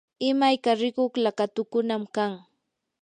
imayka rikuq laqatukunam kan.